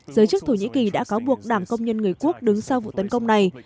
giới chức thổ nhĩ kỳ đã cáo buộc đảng công nhân người quốc đứng sau vụ tấn công này